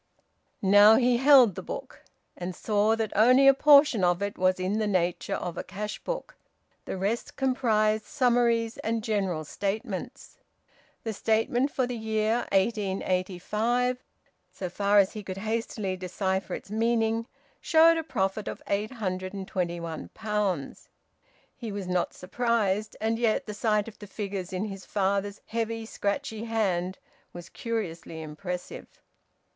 Now he held the book, and saw that only a portion of it was in the nature of a cash book; the rest comprised summaries and general statements. The statement for the year 1885, so far as he could hastily decipher its meaning, showed a profit of 821 pounds. He was not surprised, and yet the sight of the figures in his father's heavy, scratchy hand was curiously impressive.